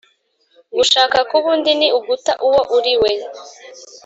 gushaka kuba undi ni uguta uwo uriwe.